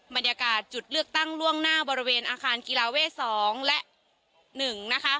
บรรยากาศจุดเลือกตั้งล่วงหน้าบริเวณอาคารกีฬาเวท๒และ๑นะคะ